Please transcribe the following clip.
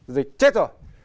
dịch chết rồi